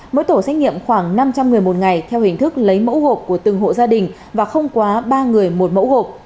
mỗi tổ xét nghiệm khoảng năm trăm linh người một ngày theo hình thức lấy mẫu gộp của từng hộ gia đình và không quá ba người một mẫu gộp